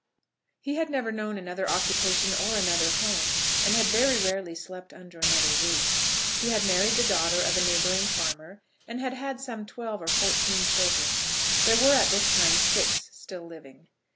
He had never known another occupation or another home, and had very rarely slept under another roof. He had married the daughter of a neighbouring farmer, and had had some twelve or fourteen children. There were at this time six still living.